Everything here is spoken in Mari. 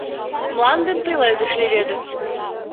Мландым пеледыш леведе